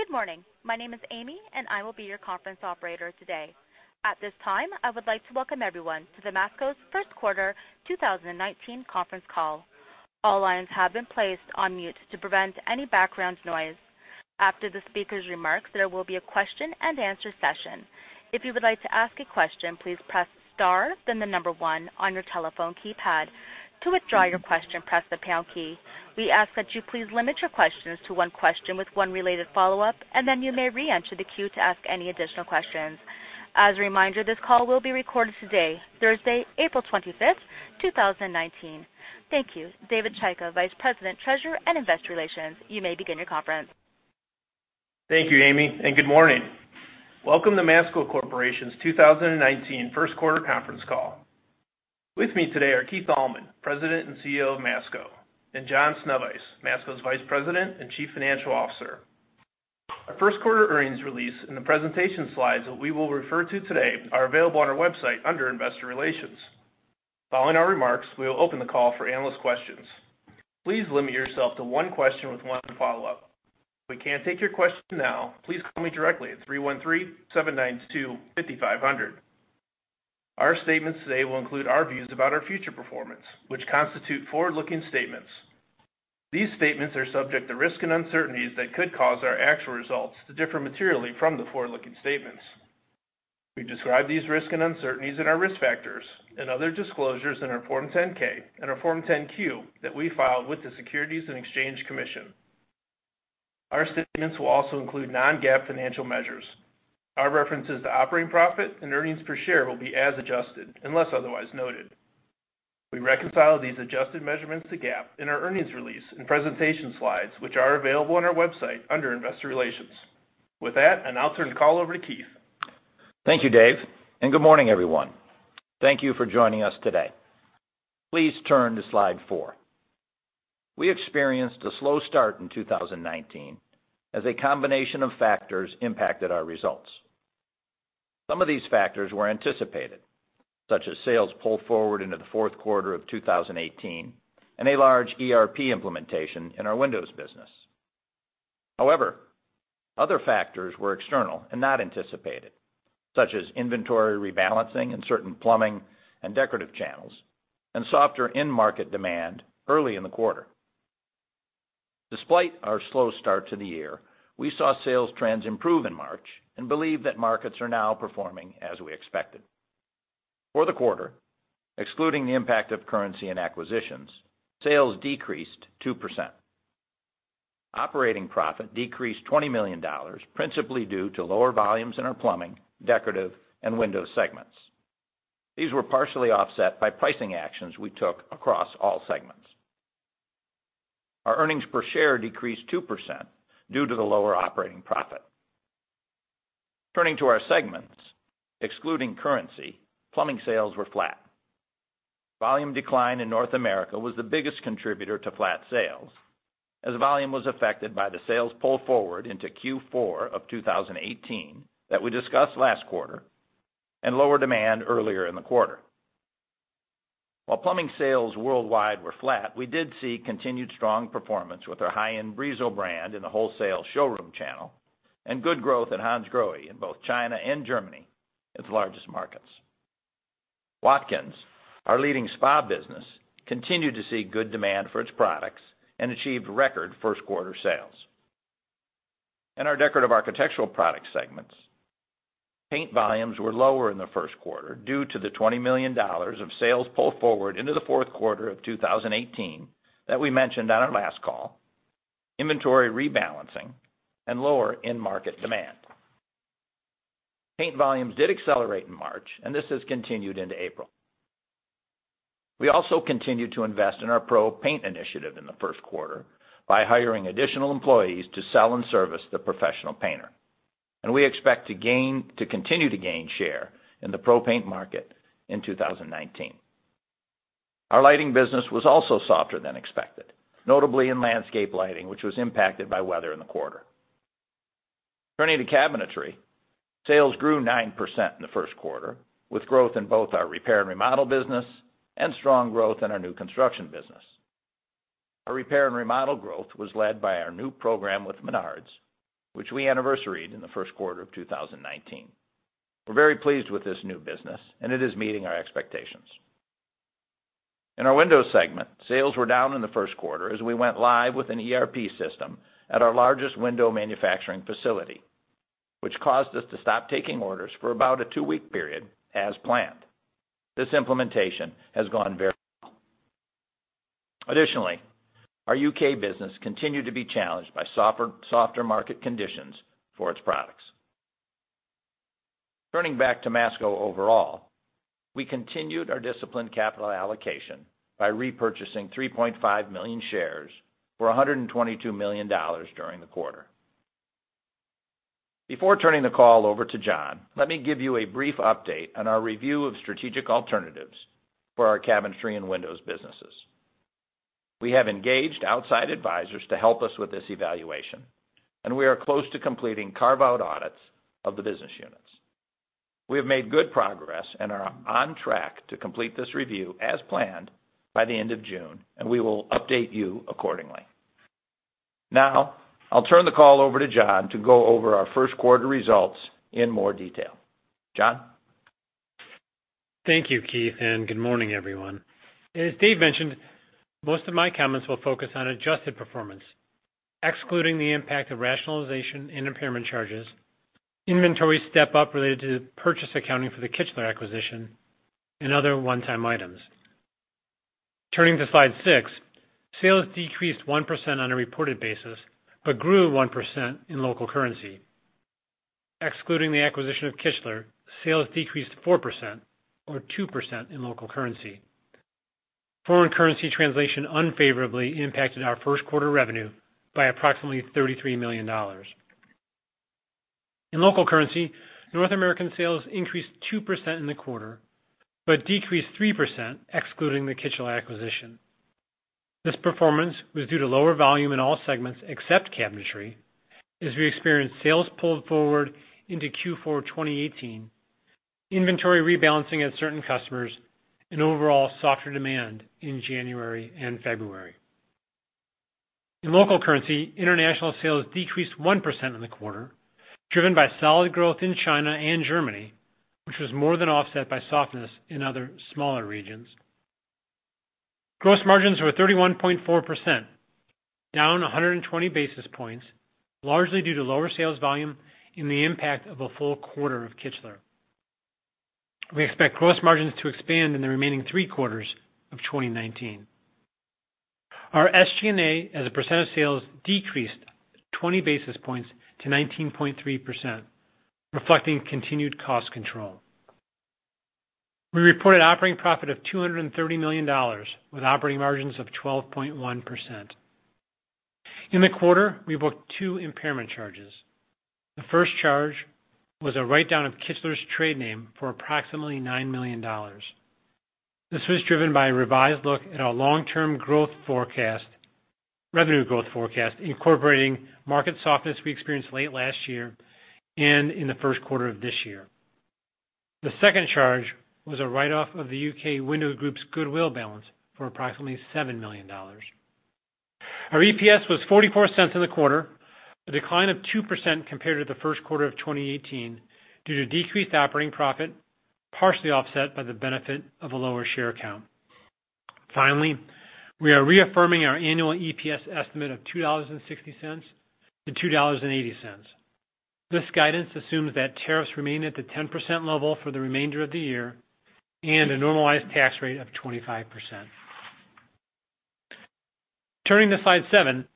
Good morning. My name is Amy, and I will be your conference operator today. At this time, I would like to welcome everyone to Masco's first quarter 2019 conference call. All lines have been placed on mute to prevent any background noise. After the speaker's remarks, there will be a question and answer session. If you would like to ask a question, please press star then number 1 on your telephone keypad. To withdraw your question, press the pound key. We ask that you please limit your questions to one question with one related follow-up, then you may re-enter the queue to ask any additional questions. As a reminder, this call will be recorded today, Thursday, April 25, 2019. Thank you. David Chaika, Vice President, Treasurer, and Investor Relations, you may begin your conference. Thank you, Amy, good morning. Welcome to Masco Corporation's 2019 first quarter conference call. With me today are Keith Allman, President and CEO of Masco, John Sznewajs, Masco's Vice President and Chief Financial Officer. Our first quarter earnings release and the presentation slides that we will refer to today are available on our website under Investor Relations. Following our remarks, we will open the call for analyst questions. Please limit yourself to one question with one follow-up. If we can't take your question now, please call me directly at 313-792-5500. Our statements today will include our views about our future performance, which constitute forward-looking statements. These statements are subject to risks and uncertainties that could cause our actual results to differ materially from the forward-looking statements. We describe these risks and uncertainties in our risk factors and other disclosures in our Form 10-K and our Form 10-Q that we filed with the Securities and Exchange Commission. Our statements will also include non-GAAP financial measures. Our references to operating profit and earnings per share will be as adjusted unless otherwise noted. We reconcile these adjusted measurements to GAAP in our earnings release and presentation slides, which are available on our website under Investor Relations. With that, I now turn the call over to Keith. Thank you, Dave, good morning, everyone. Thank you for joining us today. Please turn to slide four. We experienced a slow start in 2019 as a combination of factors impacted our results. Some of these factors were anticipated, such as sales pulled forward into the fourth quarter of 2018 and a large ERP implementation in our windows business. Other factors were external and not anticipated, such as inventory rebalancing in certain plumbing and decorative channels and softer end market demand early in the quarter. Despite our slow start to the year, we saw sales trends improve in March and believe that markets are now performing as we expected. For the quarter, excluding the impact of currency and acquisitions, sales decreased 2%. Operating profit decreased $20 million, principally due to lower volumes in our plumbing, decorative, and window segments. These were partially offset by pricing actions we took across all segments. Our earnings per share decreased 2% due to the lower operating profit. Turning to our segments, excluding currency, plumbing sales were flat. Volume decline in North America was the biggest contributor to flat sales, as volume was affected by the sales pull forward into Q4 of 2018 that we discussed last quarter and lower demand earlier in the quarter. While plumbing sales worldwide were flat, we did see continued strong performance with our high-end Brizo brand in the wholesale showroom channel and good growth at Hansgrohe in both China and Germany, its largest markets. Watkins, our leading spa business, continued to see good demand for its products and achieved record first-quarter sales. In our decorative architectural product segments, paint volumes were lower in the first quarter due to the $20 million of sales pulled forward into the fourth quarter of 2018 that we mentioned on our last call, inventory rebalancing, and lower end market demand. Paint volumes did accelerate in March, and this has continued into April. We also continued to invest in our Pro Paint Initiative in the first quarter by hiring additional employees to sell and service the professional painter, and we expect to continue to gain share in the pro paint market in 2019. Our lighting business was also softer than expected, notably in landscape lighting, which was impacted by weather in the quarter. Turning to cabinetry, sales grew 9% in the first quarter, with growth in both our repair and remodel business and strong growth in our new construction business. Our repair and remodel growth was led by our new program with Menards, which we anniversaried in the first quarter of 2019. We are very pleased with this new business, and it is meeting our expectations. In our windows segment, sales were down in the first quarter as we went live with an ERP system at our largest window manufacturing facility, which caused us to stop taking orders for about a two-week period as planned. This implementation has gone very well. Additionally, our U.K. business continued to be challenged by softer market conditions for its products. Turning back to Masco overall, we continued our disciplined capital allocation by repurchasing 3.5 million shares for $122 million during the quarter. Before turning the call over to John, let me give you a brief update on our review of strategic alternatives for our cabinetry and windows businesses. We have engaged outside advisors to help us with this evaluation, and we are close to completing carve-out audits of the business units. We have made good progress and are on track to complete this review as planned by the end of June, and we will update you accordingly. Now, I will turn the call over to John to go over our first quarter results in more detail. John? Thank you, Keith, good morning, everyone. As Dave mentioned, most of my comments will focus on adjusted performance, excluding the impact of rationalization and impairment charges, inventory step-up related to the purchase accounting for the Kichler acquisition, and other one-time items. Turning to slide six, sales decreased 1% on a reported basis grew 1% in local currency. Excluding the acquisition of Kichler, sales decreased 4% or 2% in local currency. Foreign currency translation unfavorably impacted our first quarter revenue by approximately $33 million. In local currency, North American sales increased 2% in the quarter decreased 3% excluding the Kichler acquisition. This performance was due to lower volume in all segments except cabinetry, as we experienced sales pulled forward into Q4 2018, inventory rebalancing at certain customers, and overall softer demand in January and February. In local currency, international sales decreased 1% in the quarter, driven by solid growth in China and Germany, which was more than offset by softness in other smaller regions. Gross margins were 31.4%, down 120 basis points, largely due to lower sales volume and the impact of a full quarter of Kichler. We expect gross margins to expand in the remaining three quarters of 2019. Our SGA as a percent of sales decreased 20 basis points to 19.3%, reflecting continued cost control. We reported operating profit of $230 million with operating margins of 12.1%. In the quarter, we booked two impairment charges. The first charge was a write-down of Kichler's trade name for approximately $9 million. This was driven by a revised look at our long-term growth forecast— revenue growth forecast, incorporating market softness we experienced late last year and in the first quarter of this year. The second charge was a write-off of the U.K. Windows group's goodwill balance for approximately $7 million. Our EPS was $0.44 in the quarter, a decline of 2% compared to the first quarter of 2018 due to decreased operating profit, partially offset by the benefit of a lower share count. We are reaffirming our annual EPS estimate of $2.60-$2.80. This guidance assumes that tariffs remain at the 10% level for the remainder of the year and a normalized tax rate of 25%. Turning to slide seven,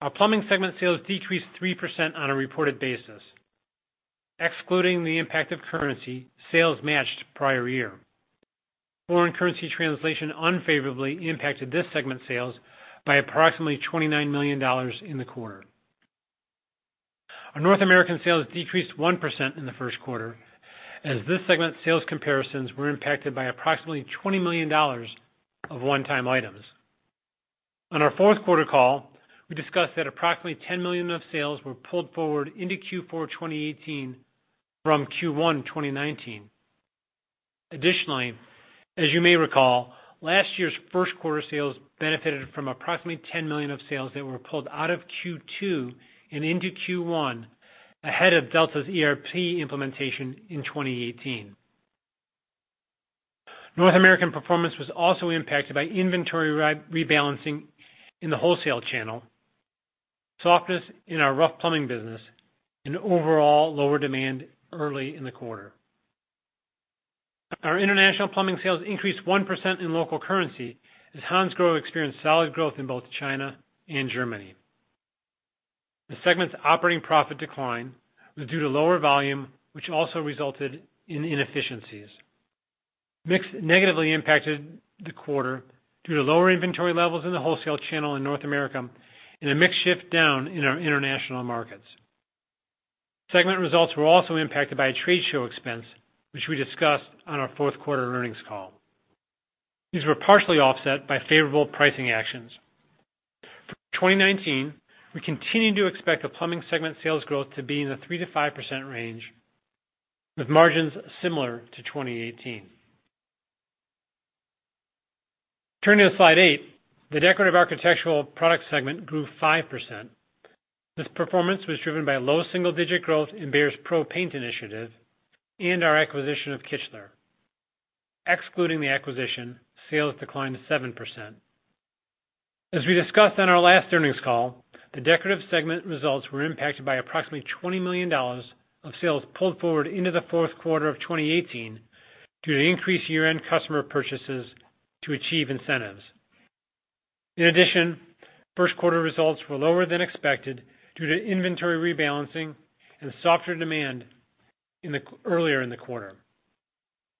our plumbing segment sales decreased 3% on a reported basis. Excluding the impact of currency, sales matched prior year. Foreign currency translation unfavorably impacted this segment's sales by approximately $29 million in the quarter. Our North American sales decreased 1% in the first quarter, as this segment's sales comparisons were impacted by approximately $20 million of one-time items. On our fourth-quarter call, we discussed that approximately $10 million of sales were pulled forward into Q4 2018 from Q1 2019. As you may recall, last year's first quarter sales benefited from approximately $10 million of sales that were pulled out of Q2 and into Q1 ahead of Delta's ERP implementation in 2018. North American performance was also impacted by inventory rebalancing in the wholesale channel, softness in our rough plumbing business, and overall lower demand early in the quarter. Our international plumbing sales increased 1% in local currency as Hansgrohe experienced solid growth in both China and Germany. The segment's operating profit decline was due to lower volume, which also resulted in inefficiencies. Mix negatively impacted the quarter due to lower inventory levels in the wholesale channel in North America and a mix shift down in our international markets. Segment results were also impacted by a trade show expense, which we discussed on our fourth-quarter earnings call. These were partially offset by favorable pricing actions. For 2019, we continue to expect the Plumbing Segment sales growth to be in the 3%-5% range with margins similar to 2018. Turning to slide eight, the Decorative Architectural Products Segment grew 5%. This performance was driven by low double-digit growth in Behr's BEHR PRO initiative and our acquisition of Kichler. Excluding the acquisition, sales declined 7%. As we discussed on our last earnings call, the Decorative Segment results were impacted by approximately $20 million of sales pulled forward into the fourth quarter of 2018 due to increased year-end customer purchases to achieve incentives. In addition, first quarter results were lower than expected due to inventory rebalancing and softer demand earlier in the quarter.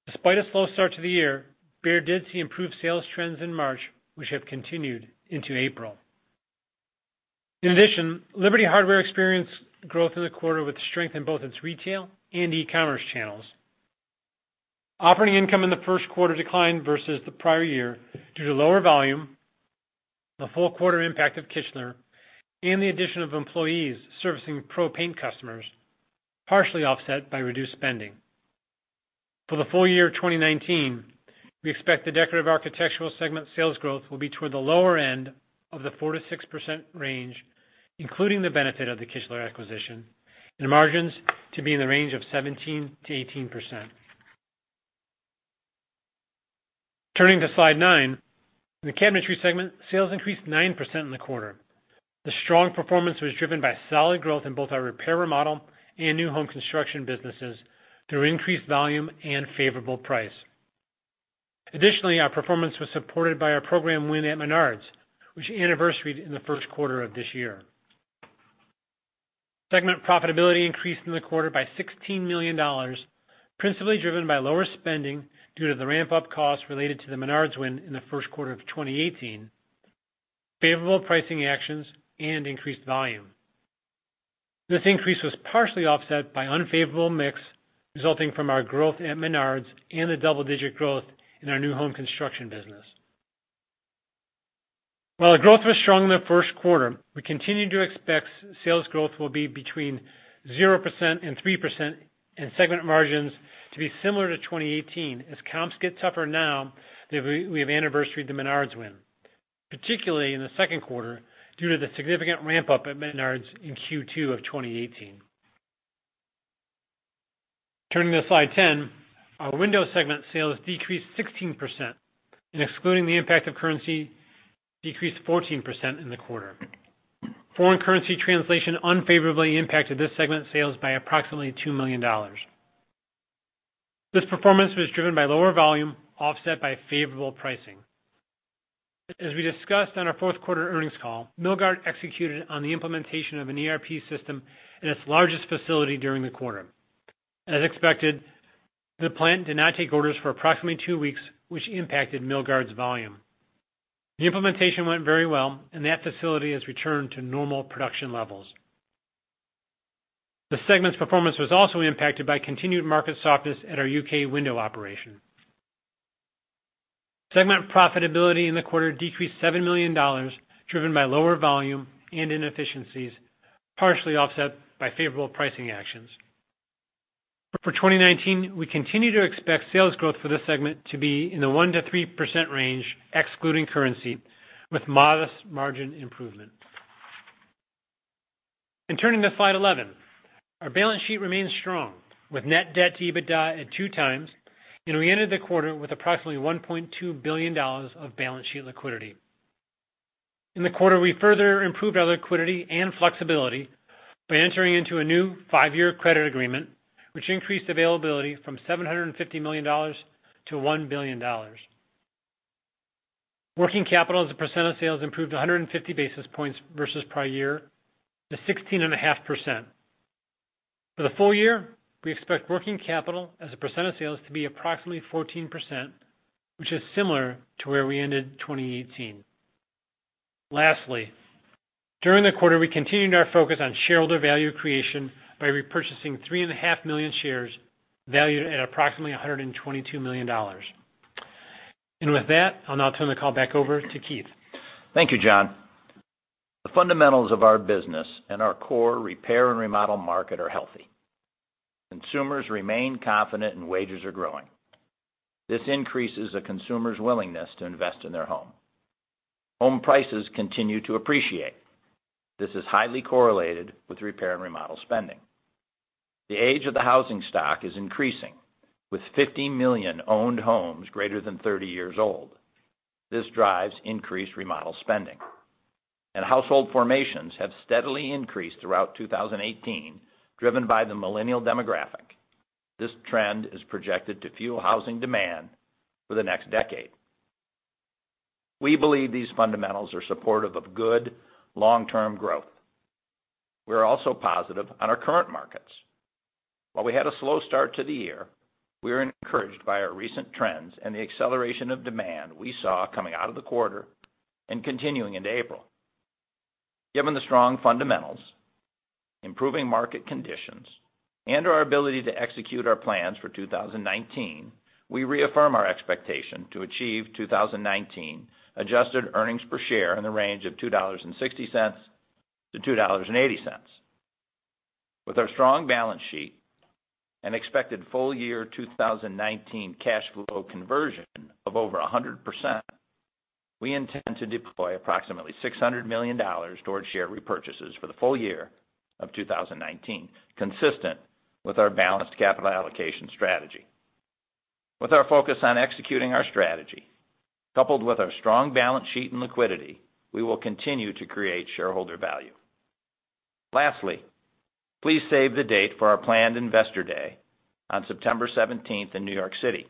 Despite a slow start to the year, Behr did see improved sales trends in March, which have continued into April. In addition, Liberty Hardware experienced growth in the quarter with strength in both its retail and e-commerce channels. Operating income in the first quarter declined versus the prior year due to lower volume, the full quarter impact of Kichler and the addition of employees servicing BEHR PRO customers, partially offset by reduced spending. For the full year 2019, we expect the Decorative Architectural Segment sales growth will be toward the lower end of the 4%-6% range, including the benefit of the Kichler acquisition, and margins to be in the range of 17%-18%. Turning to slide nine. In the Cabinetry Segment, sales increased 9% in the quarter. The strong performance was driven by solid growth in both our repair, remodel, and new home construction businesses through increased volume and favorable price. Additionally, our performance was supported by our program win at Menards, which anniversaried in the first quarter of this year. Segment profitability increased in the quarter by $16 million, principally driven by lower spending due to the ramp-up costs related to the Menards win in the first quarter of 2018, favorable pricing actions, and increased volume. This increase was partially offset by unfavorable mix resulting from our growth at Menards and the double-digit growth in our new home construction business. While the growth was strong in the first quarter, we continue to expect sales growth will be between 0% and 3%, and segment margins to be similar to 2018 as comps get tougher now that we have anniversaried the Menards win, particularly in the second quarter, due to the significant ramp-up at Menards in Q2 of 2018. Turning to slide 10. Our Window Segment sales decreased 16%, and excluding the impact of currency, decreased 14% in the quarter. Foreign currency translation unfavorably impacted this segment's sales by approximately $2 million. This performance was driven by lower volume, offset by favorable pricing. As we discussed on our fourth-quarter earnings call, Milgard executed on the implementation of an ERP system in its largest facility during the quarter. As expected, the plant did not take orders for approximately two weeks, which impacted Milgard's volume. The implementation went very well, and that facility has returned to normal production levels. The segment's performance was also impacted by continued market softness at our U.K. window operation. Segment profitability in the quarter decreased $7 million, driven by lower volume and inefficiencies, partially offset by favorable pricing actions. For 2019, we continue to expect sales growth for this segment to be in the 1%-3% range, excluding currency, with modest margin improvement. Turning to slide 11. Our balance sheet remains strong, with net debt to EBITDA at two times, and we ended the quarter with approximately $1.2 billion of balance sheet liquidity. In the quarter, we further improved our liquidity and flexibility by entering into a new five-year credit agreement, which increased availability from $750 million to $1 billion. Working capital as a percent of sales improved 150 basis points versus prior year to 16.5%. For the full year, we expect working capital as a percent of sales to be approximately 14%, which is similar to where we ended 2018. Lastly, during the quarter, we continued our focus on shareholder value creation by repurchasing 3.5 million shares valued at approximately $122 million. With that, I'll now turn the call back over to Keith. Thank you, John. The fundamentals of our business and our core repair and remodel market are healthy. Consumers remain confident and wages are growing. This increases the consumer's willingness to invest in their home. Home prices continue to appreciate. This is highly correlated with repair and remodel spending. The age of the housing stock is increasing, with 50 million owned homes greater than 30 years old. This drives increased remodel spending. Household formations have steadily increased throughout 2018, driven by the millennial demographic. This trend is projected to fuel housing demand for the next decade. We believe these fundamentals are supportive of good long-term growth. We're also positive on our current markets. While we had a slow start to the year, we are encouraged by our recent trends and the acceleration of demand we saw coming out of the quarter and continuing into April. Given the strong fundamentals, improving market conditions, and our ability to execute our plans for 2019, we reaffirm our expectation to achieve 2019 adjusted earnings per share in the range of $2.60-$2.80. With our strong balance sheet and expected full-year 2019 cash flow conversion of over 100%, we intend to deploy approximately $600 million towards share repurchases for the full year of 2019, consistent with our balanced capital allocation strategy. With our focus on executing our strategy, coupled with our strong balance sheet and liquidity, we will continue to create shareholder value. Lastly, please save the date for our planned Investor Day on September 17th in New York City,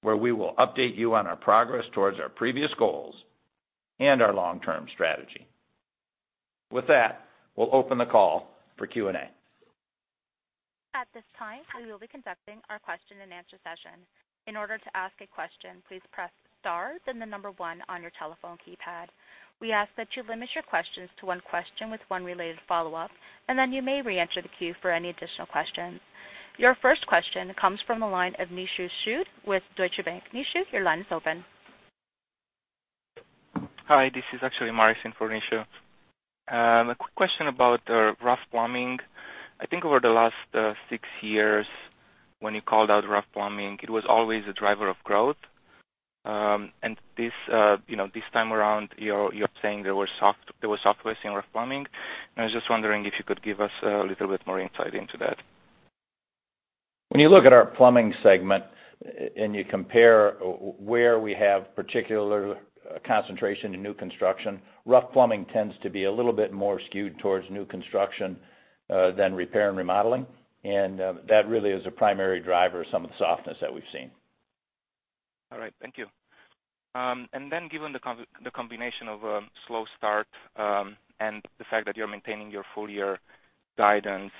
where we will update you on our progress towards our previous goals and our long-term strategy. With that, we'll open the call for Q&A. At this time, we will be conducting our question-and-answer session. In order to ask a question, please press star, then one on your telephone keypad. We ask that you limit your questions to one question with one related follow-up, then you may reenter the queue for any additional questions. Your first question comes from the line of Nishu Sood with Deutsche Bank. Nishu, your line is open. Hi, this is actually Maurice in for Nishu. A quick question about rough plumbing. I think over the last six years, when you called out rough plumbing, it was always a driver of growth. This time around, you're saying there was softness in rough plumbing, and I was just wondering if you could give us a little bit more insight into that. When you look at our plumbing segment, and you compare where we have particular concentration in new construction, rough plumbing tends to be a little bit more skewed towards new construction than repair and remodeling. That really is a primary driver of some of the softness that we've seen. All right. Thank you. Then given the combination of a slow start, and the fact that you're maintaining your full-year guidance,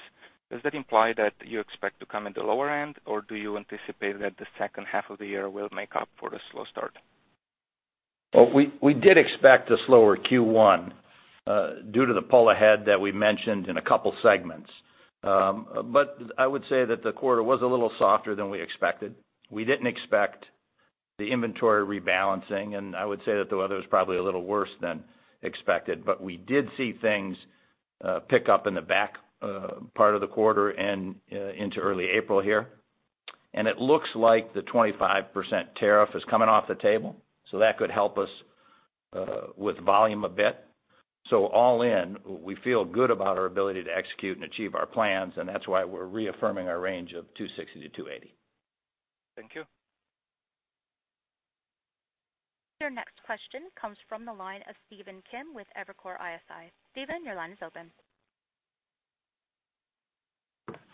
does that imply that you expect to come in the lower end, or do you anticipate that the second half of the year will make up for the slow start? Well, we did expect a slower Q1 due to the pull ahead that we mentioned in a couple segments. I would say that the quarter was a little softer than we expected. We didn't expect the inventory rebalancing, I would say that the weather was probably a little worse than expected. We did see things pick up in the back part of the quarter and into early April here. It looks like the 25% tariff is coming off the table, that could help us with volume a bit. All in, we feel good about our ability to execute and achieve our plans, that's why we're reaffirming our range of $2.60-$2.80. Thank you. Your next question comes from the line of Stephen Kim with Evercore ISI. Stephen, your line is open.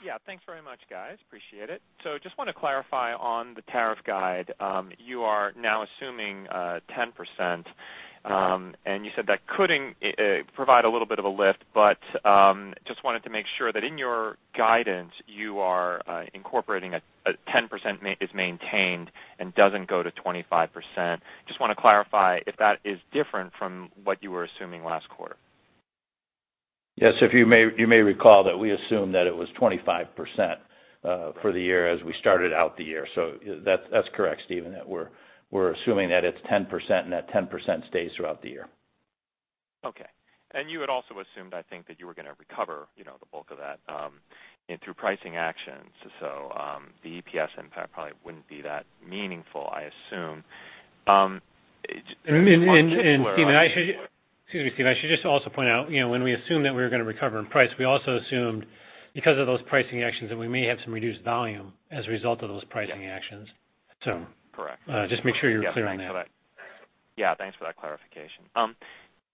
Yeah. Thanks very much, guys. Appreciate it. Just want to clarify on the tariff guide. You are now assuming 10%, and you said that could provide a little bit of a lift. Just wanted to make sure that in your guidance, you are incorporating a 10% is maintained and doesn't go to 25%. Just want to clarify if that is different from what you were assuming last quarter. Yes, you may recall that we assumed that it was 25% for the year as we started out the year. That's correct, Stephen, that we're assuming that it's 10%, and that 10% stays throughout the year. Okay. You had also assumed, I think, that you were going to recover the bulk of that in through pricing actions. The EPS impact probably wouldn't be that meaningful, I assume. Stephen, I should just also point out, when we assumed that we were going to recover in price, we also assumed, because of those pricing actions, that we may have some reduced volume as a result of those pricing actions. Correct. Just make sure you're clear on that. Yeah, thanks for that clarification.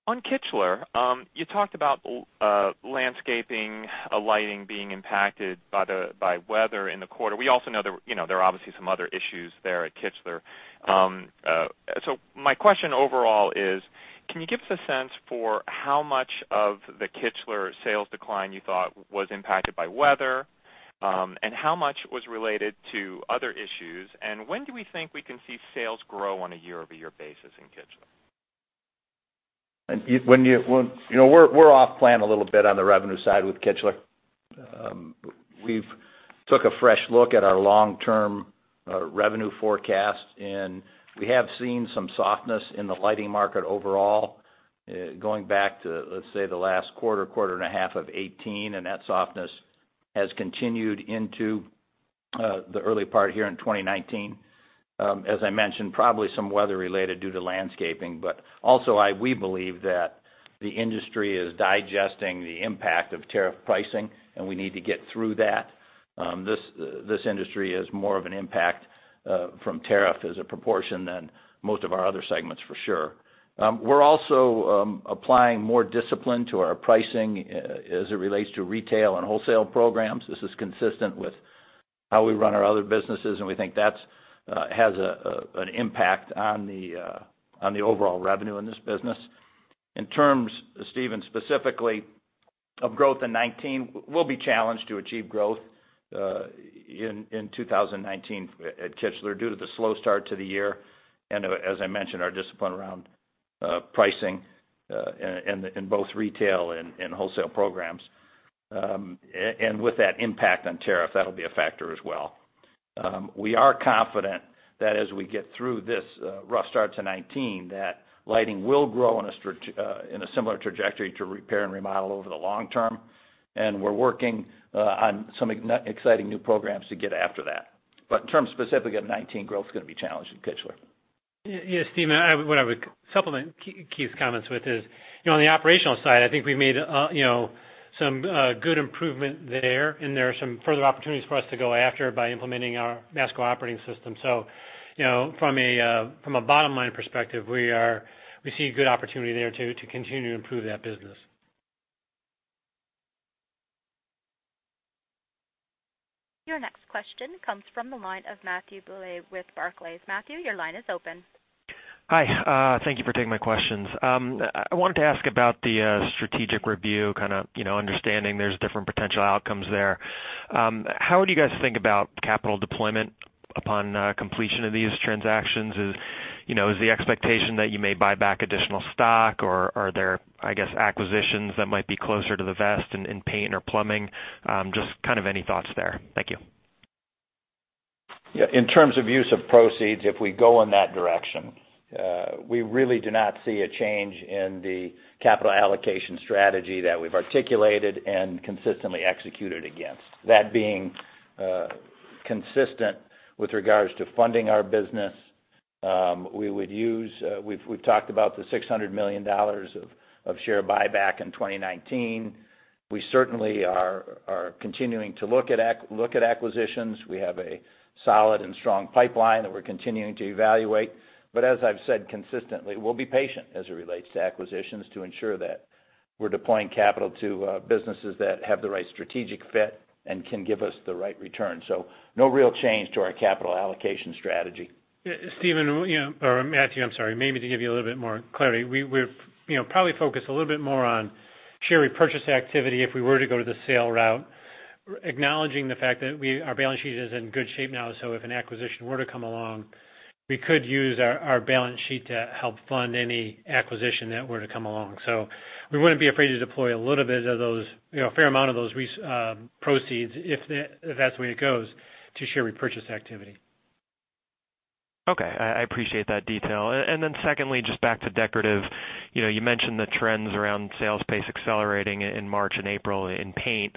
On Kichler, you talked about landscaping, lighting being impacted by weather in the quarter. We also know there are obviously some other issues there at Kichler. My question overall is, can you give us a sense for how much of the Kichler sales decline you thought was impacted by weather, and how much was related to other issues, and when do we think we can see sales grow on a year-over-year basis in Kichler? We're off plan a little bit on the revenue side with Kichler. We've took a fresh look at our long-term revenue forecast, and we have seen some softness in the lighting market overall, going back to, let's say, the last quarter and a half of 2018, and that softness has continued into the early part here in 2019. As I mentioned, probably some weather related due to landscaping. Also, we believe that the industry is digesting the impact of tariff pricing, and we need to get through that. This industry is more of an impact from tariff as a proportion than most of our other segments, for sure. We're also applying more discipline to our pricing as it relates to retail and wholesale programs. This is consistent with how we run our other businesses, and we think that has an impact on the overall revenue in this business. In terms, Stephen, specifically of growth in 2019, we'll be challenged to achieve growth in 2019 at Kichler due to the slow start to the year, and as I mentioned, our discipline around pricing, in both retail and wholesale programs. With that impact on tariff, that'll be a factor as well. We are confident that as we get through this rough start to 2019, that lighting will grow in a similar trajectory to Repair and Remodel over the long term. We're working on some exciting new programs to get after that. In terms specifically of 2019, growth's going to be challenged at Kichler. Stephen, what I would supplement Keith's comments with is, on the operational side, I think we made some good improvement there, and there are some further opportunities for us to go after by implementing our Masco Operating System. From a bottom-line perspective, we see a good opportunity there to continue to improve that business. Your next question comes from the line of Matthew Bouley with Barclays. Matthew, your line is open. Hi. Thank you for taking my questions. I wanted to ask about the strategic review, kind of understanding there's different potential outcomes there. Is the expectation that you may buy back additional stock? Or are there, I guess, acquisitions that might be closer to the vest in Paint or plumbing? Just kind of any thoughts there. Thank you. Yeah. In terms of use of proceeds, if we go in that direction, we really do not see a change in the capital allocation strategy that we've articulated and consistently executed against. That being consistent with regards to funding our business, we've talked about the $600 million of share buyback in 2019. We certainly are continuing to look at acquisitions. We have a solid and strong pipeline that we're continuing to evaluate. As I've said consistently, we'll be patient as it relates to acquisitions to ensure that we're deploying capital to businesses that have the right strategic fit and can give us the right return. No real change to our capital allocation strategy. Stephen, or Matthew, I'm sorry, maybe to give you a little bit more clarity. We've probably focused a little bit more on share repurchase activity if we were to go the sale route, acknowledging the fact that our balance sheet is in good shape now. If an acquisition were to come along, we could use our balance sheet to help fund any acquisition that were to come along. We wouldn't be afraid to deploy a fair amount of those proceeds, if that's the way it goes, to share repurchase activity. Okay. I appreciate that detail. Secondly, just back to Decorative. You mentioned the trends around sales pace accelerating in March and April in Paint,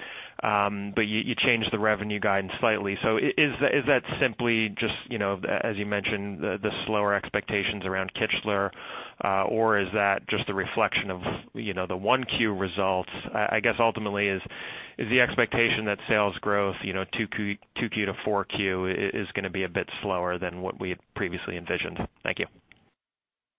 but you changed the revenue guidance slightly. Is that simply just, as you mentioned, the slower expectations around Kichler? Or is that just a reflection of the 1Q results? I guess, ultimately, is the expectation that sales growth 2Q to 4Q is going to be a bit slower than what we had previously envisioned? Thank you.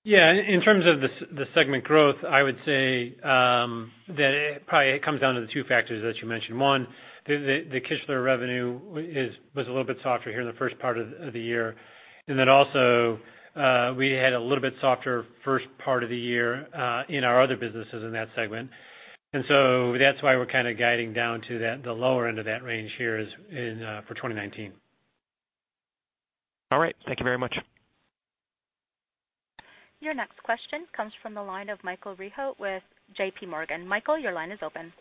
Yeah. In terms of the segment growth, I would say that it probably comes down to the two factors that you mentioned. One, the Kichler revenue was a little bit softer here in the first part of the year. Also, we had a little bit softer first part of the year in our other businesses in that segment. That's why we're kind of guiding down to the lower end of that range here for 2019. All right. Thank you very much. Your next question comes from the line of Michael Rehaut with JPMorgan. Michael, your line is open.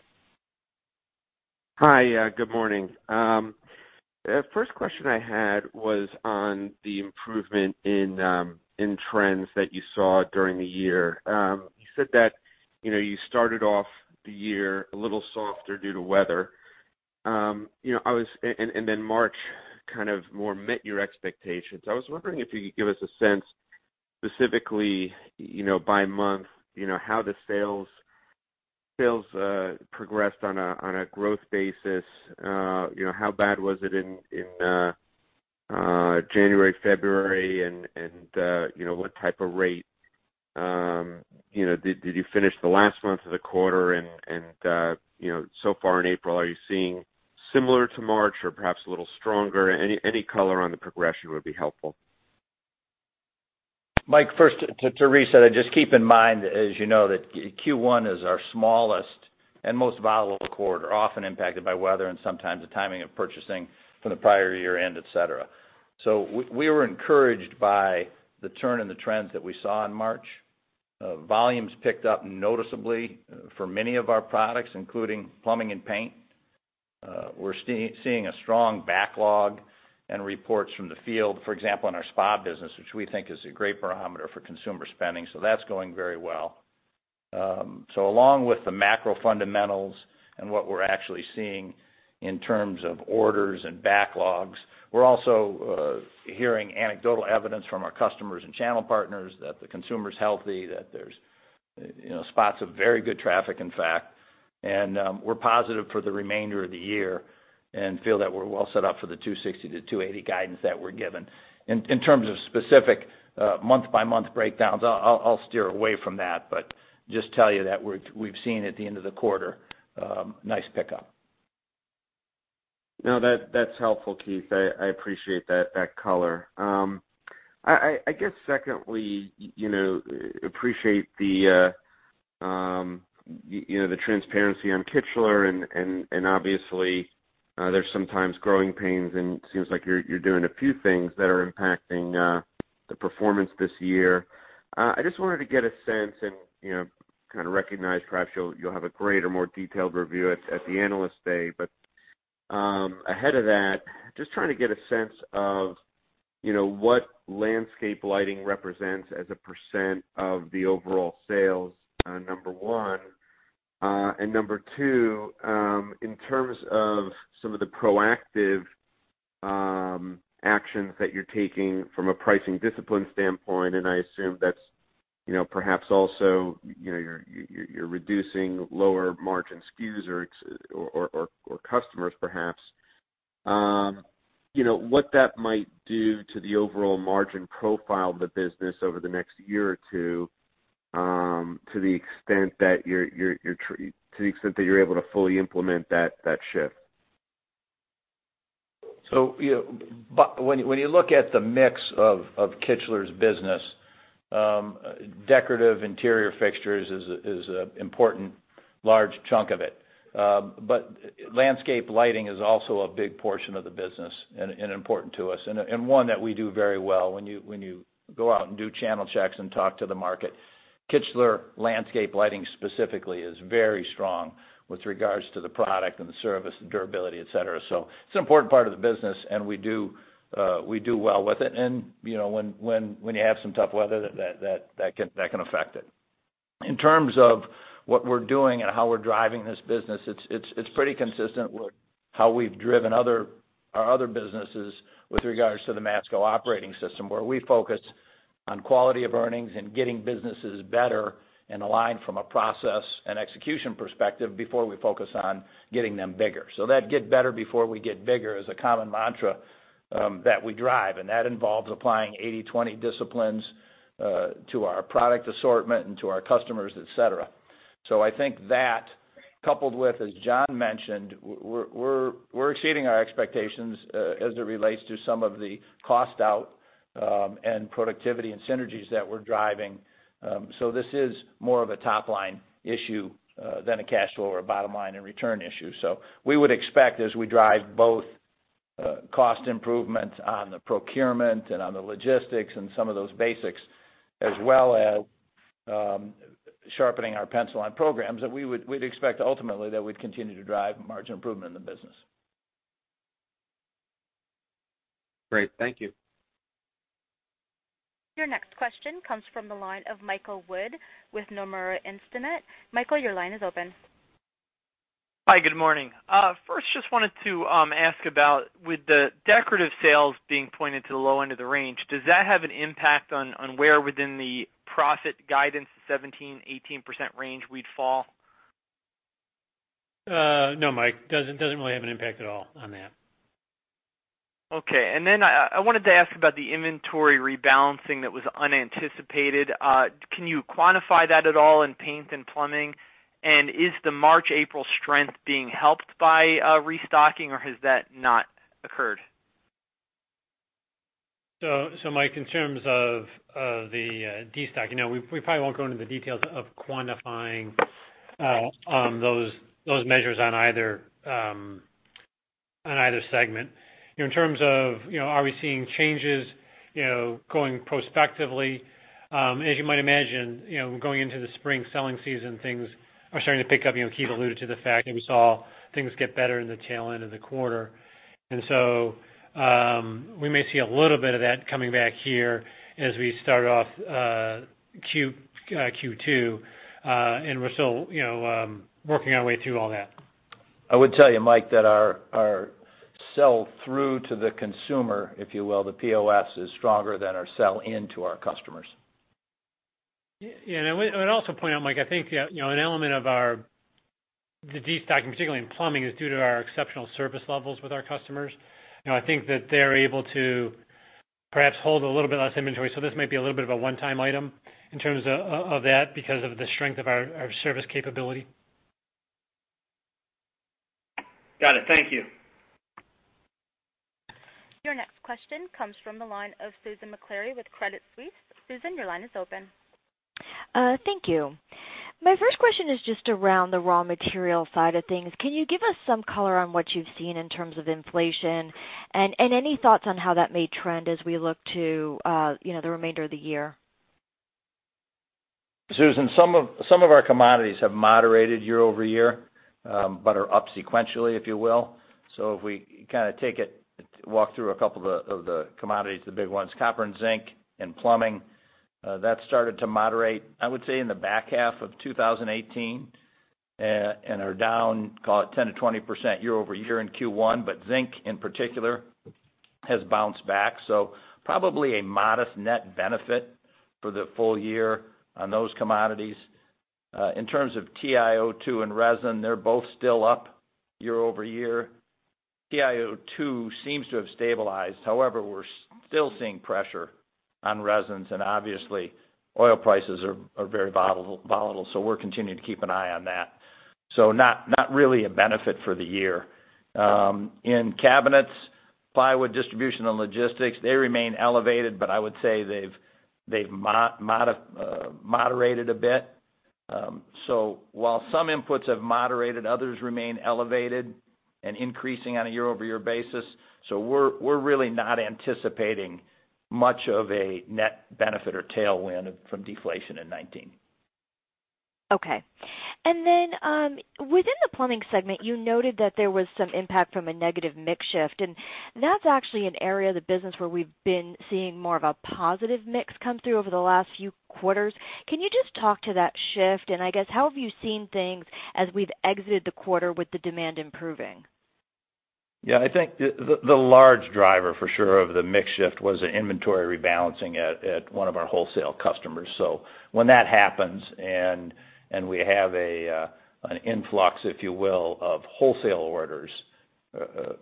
Hi. Good morning. First question I had was on the improvement in trends that you saw during the year. You said that you started off the year a little softer due to weather, March kind of more met your expectations. I was wondering if you could give us a sense specifically, by month, how the sales progressed on a growth basis. How bad was it in January, February, and what type of rate did you finish the last month of the quarter, and so far in April, are you seeing similar to March or perhaps a little stronger? Any color on the progression would be helpful. Mike, first, to reset, just keep in mind, as you know, that Q1 is our smallest and most volatile quarter, often impacted by weather and sometimes the timing of purchasing from the prior year-end, et cetera. We were encouraged by the turn in the trends that we saw in March. Volumes picked up noticeably for many of our products, including plumbing and paint. We're seeing a strong backlog and reports from the field, for example, in our spa business, which we think is a great barometer for consumer spending. That's going very well. Along with the macro fundamentals and what we're actually seeing in terms of orders and backlogs, we're also hearing anecdotal evidence from our customers and channel partners that the consumer's healthy, that there's spots of very good traffic, in fact. We're positive for the remainder of the year and feel that we're well set up for the $260-$280 guidance that we're given. In terms of specific month-by-month breakdowns, I'll steer away from that, but just tell you that we've seen, at the end of the quarter, nice pickup. No, that's helpful, Keith. I appreciate that color. I guess secondly, appreciate the transparency on Kichler, and obviously, there's sometimes growing pains, and it seems like you're doing a few things that are impacting the performance this year. I just wanted to get a sense and kind of recognize, perhaps you'll have a greater, more detailed review at the Analyst Day. Ahead of that, just trying to get a sense of what landscape lighting represents as a percent of the overall sales, number one. Number two, in terms of some of the proactive actions that you're taking from a pricing discipline standpoint, and I assume that's perhaps also you're reducing lower margin SKUs or customers perhaps. What that might do to the overall margin profile of the business over the next year or two, to the extent that you're able to fully implement that shift. When you look at the mix of Kichler's business, decorative interior fixtures is an important chunk of it. Landscape lighting is also a big portion of the business and important to us, and one that we do very well. When you go out and do channel checks and talk to the market, Kichler landscape lighting specifically is very strong with regards to the product and the service and durability, et cetera. It's an important part of the business, and we do well with it. When you have some tough weather that can affect it. In terms of what we're doing and how we're driving this business, it's pretty consistent with how we've driven our other businesses with regards to the Masco Operating System, where we focus on quality of earnings and getting businesses better and aligned from a process and execution perspective before we focus on getting them bigger. That get better before we get bigger is a common mantra that we drive, and that involves applying 80/20 disciplines to our product assortment and to our customers, et cetera. I think that, coupled with, as John mentioned, we're exceeding our expectations as it relates to some of the cost out and productivity and synergies that we're driving. This is more of a top-line issue than a cash flow or a bottom-line and return issue. We would expect as we drive both cost improvement on the procurement and on the logistics and some of those basics, as well as sharpening our pencil on programs, that we'd expect ultimately that we'd continue to drive margin improvement in the business. Great. Thank you. Your next question comes from the line of Michael Wood with Nomura Instinet. Michael, your line is open. Hi, good morning. First, just wanted to ask about, with the decorative sales being pointed to the low end of the range, does that have an impact on where within the profit guidance 17%-18% range we'd fall? No, Mike, doesn't really have an impact at all on that. Okay. I wanted to ask about the inventory rebalancing that was unanticipated. Can you quantify that at all in paint and plumbing? Is the March, April strength being helped by restocking, or has that not occurred? Mike, in terms of the destocking, we probably won't go into the details of quantifying those measures on either segment. In terms of are we seeing changes going prospectively? As you might imagine, going into the spring selling season, things are starting to pick up. Keith alluded to the fact that we saw things get better in the tail end of the quarter. We may see a little bit of that coming back here as we start off Q2. We're still working our way through all that. I would tell you, Mike, that our sell-through to the consumer, if you will, the POS, is stronger than our sell-in to our customers. Yeah. I would also point out, Mike, I think an element of the destocking, particularly in plumbing, is due to our exceptional service levels with our customers. I think that they're able to perhaps hold a little bit less inventory. This might be a little bit of a one-time item in terms of that because of the strength of our service capability. Got it. Thank you. Your next question comes from the line of Susan Maklari with Credit Suisse. Susan, your line is open. Thank you. My first question is just around the raw material side of things. Can you give us some color on what you've seen in terms of inflation? Any thoughts on how that may trend as we look to the remainder of the year? Susan, some of our commodities have moderated year-over-year, but are up sequentially, if you will. If we kind of walk through a couple of the commodities, the big ones, copper and zinc in plumbing, that started to moderate, I would say, in the back half of 2018, and are down, call it 10%-20% year-over-year in Q1. Zinc in particular has bounced back, so probably a modest net benefit for the full year on those commodities. In terms of TiO2 and resin, they're both still up year-over-year. TiO2 seems to have stabilized. However, we're still seeing pressure on resins, and obviously, oil prices are very volatile. We're continuing to keep an eye on that. Not really a benefit for the year. In cabinets, plywood distribution and logistics, they remain elevated, but I would say they've moderated a bit. While some inputs have moderated, others remain elevated and increasing on a year-over-year basis. We're really not anticipating much of a net benefit or tailwind from deflation in 2019. Okay. Within the Plumbing Segment, you noted that there was some impact from a negative mix shift, and that's actually an area of the business where we've been seeing more of a positive mix come through over the last few quarters. Can you just talk to that shift? I guess, how have you seen things as we've exited the quarter with the demand improving? Yeah, I think the large driver for sure of the mix shift was the inventory rebalancing at one of our wholesale customers. When that happens and we have an influx, if you will, of wholesale orders. When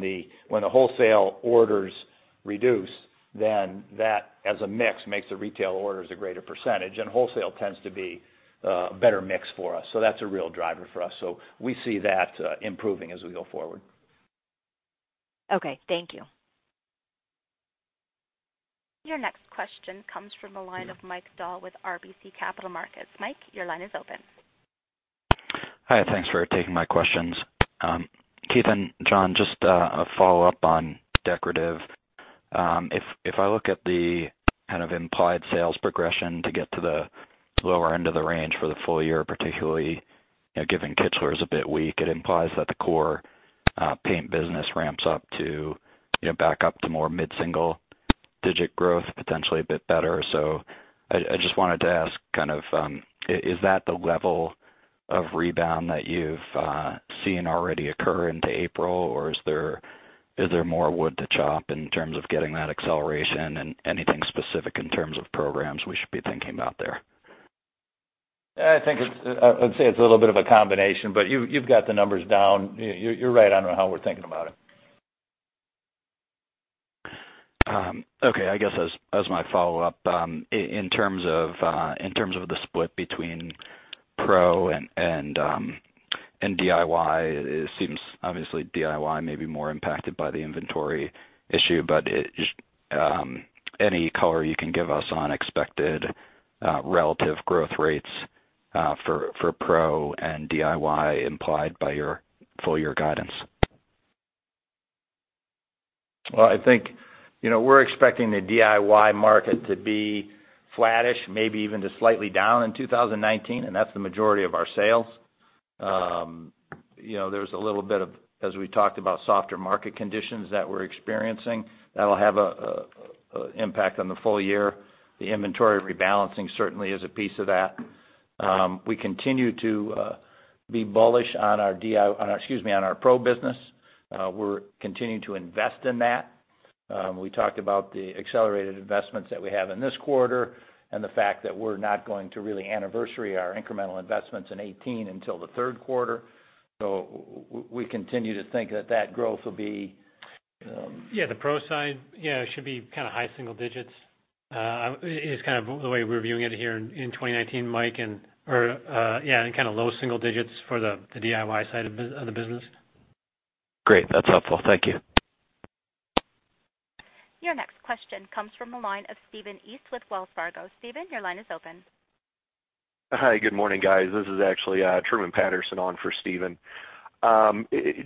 the wholesale orders reduce, that as a mix makes the retail orders a greater percentage, and wholesale tends to be a better mix for us. That's a real driver for us. We see that improving as we go forward. Okay, thank you. Your next question comes from the line of Mike Dahl with RBC Capital Markets. Mike, your line is open. Hi. Thanks for taking my questions. Keith and John, just a follow-up on decorative. If I look at the kind of implied sales progression to get to the lower end of the range for the full year, particularly given Kichler's a bit weak, it implies that the core paint business ramps up to back up to more mid-single digit growth, potentially a bit better. I just wanted to ask, is that the level of rebound that you've seen already occur into April, or is there more wood to chop in terms of getting that acceleration and anything specific in terms of programs we should be thinking about there? I'd say it's a little bit of a combination. You've got the numbers down. You're right on how we're thinking about it. Okay. I guess as my follow-up, in terms of the split between pro and DIY, it seems obviously DIY may be more impacted by the inventory issue. Any color you can give us on expected relative growth rates for pro and DIY implied by your full-year guidance? Well, I think we're expecting the DIY market to be flattish, maybe even just slightly down in 2019, and that's the majority of our sales. There's a little bit of, as we talked about, softer market conditions that we're experiencing that'll have an impact on the full year. The inventory rebalancing certainly is a piece of that. We continue to be bullish on our pro business. We're continuing to invest in that. We talked about the accelerated investments that we have in this quarter, and the fact that we're not going to really anniversary our incremental investments in 2018 until the third quarter. We continue to think that that growth will be- Yeah, the pro side should be kind of high single digits, is kind of the way we're viewing it here in 2019, Mike. Kind of low single digits for the DIY side of the business. Great. That's helpful. Thank you. Your next question comes from the line of Stephen East with Wells Fargo. Stephen, your line is open. Hi, good morning, guys. This is actually Truman Patterson on for Stephen.